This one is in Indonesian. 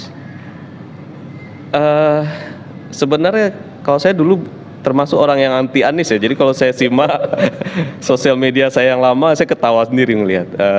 sebenarnya kalau saya dulu termasuk orang yang anti anis ya jadi kalau saya simak sosial media saya yang lama saya ketawa sendiri melihat